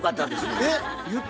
えっ？